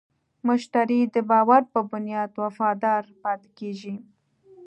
مشتری د باور په بنیاد وفادار پاتې کېږي.